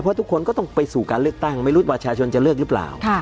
เพราะทุกคนก็ต้องไปสู่การเลือกตั้งไม่รู้ว่าประชาชนจะเลือกหรือเปล่า